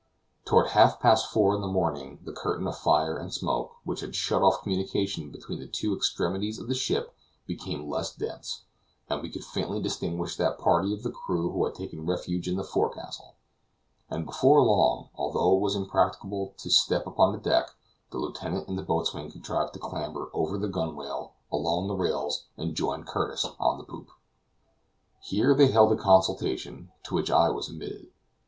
Toward half past four in the morning the curtain of fire and smoke, which had shut off communication between the two extremities of the ship, became less dense, and we could faintly distinguish that party of the crew who had taken refuge in the forecastle; and before long, although it was impracticable to step upon the deck, the lieutenant and the boatswain contrived to clamber over the gunwale, along the rails, and joined Curtis on the poop. Here they held a consultation, to which I was admitted.